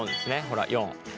ほら４。